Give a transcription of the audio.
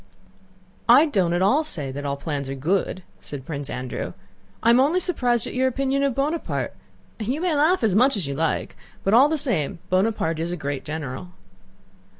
"I don't at all say that all the plans are good," said Prince Andrew, "I am only surprised at your opinion of Bonaparte. You may laugh as much as you like, but all the same Bonaparte is a great general!"